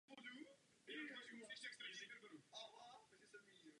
Na nosní části lebky měl pravděpodobně malý roh.